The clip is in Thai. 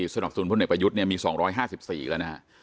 สนับสนุนพลเอกประยุทธ์เนี่ยมี๒๕๔แล้วนะฮะ